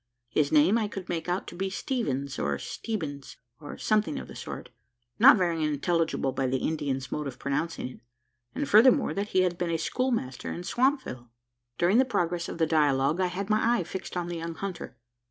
His name I could make out to be Steevens, or Steebins, or something of the sort not very intelligible by the Indian's mode of pronouncing it and, furthermore, that he had been a schoolmaster in Swampville. During the progress of the dialogue, I had my eye fixed on the young hunter.